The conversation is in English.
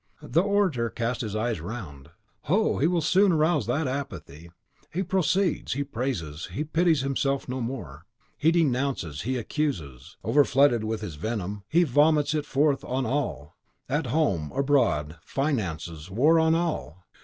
The orator cast his eyes around. Ho! he will soon arouse that apathy. He proceeds, he praises, he pities himself no more. He denounces, he accuses. Overflooded with his venom, he vomits it forth on all. At home, abroad, finances, war, on all!